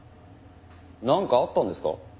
なんかあったんですか？